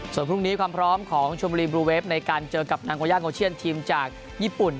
ส่วนพรุ่งนี้ความพร้อมของชมบุรีบลูเวฟในการเจอกับทางโกย่าโอเชียนทีมจากญี่ปุ่น